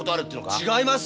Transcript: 違います。